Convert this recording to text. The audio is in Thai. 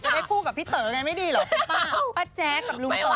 จะได้คู่กับพี่เต๋อกันไม่ดีหรอ